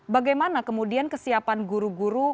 bagaimana kemudian kesiapan guru guru